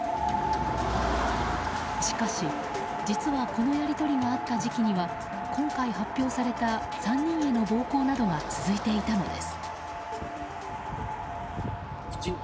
しかし、実はこのやり取りがあった時期には今回発表された３人への暴行などが続いていたのです。